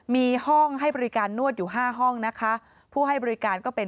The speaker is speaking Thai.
มีห้องให้บริการนวดอยู่ห้าห้องนะคะผู้ให้บริการก็เป็น